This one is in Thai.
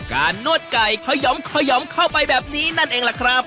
นวดไก่ขย่อมขยำเข้าไปแบบนี้นั่นเองล่ะครับ